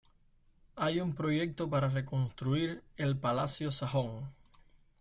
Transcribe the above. Hay un proyecto para reconstruir el Palacio Sajón.